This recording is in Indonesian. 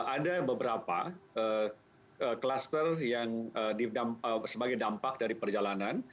ada beberapa kluster yang sebagai dampak dari perjalanan